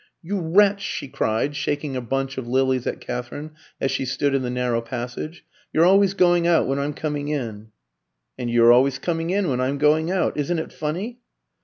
"You wretch!" she cried, shaking a bunch of lilies at Katherine, as she stood in the narrow passage; "you're always going out when I'm coming in." "And you're always coming in when I'm going out. Isn't it funny?"